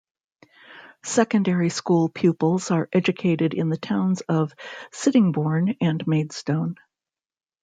Secondary school pupils are educated in the towns of Sittingbourne or Maidstone.